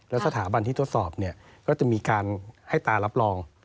แล้วสถาบันที่ทดสอบเนี่ยก็จะมีการให้ตารับรอง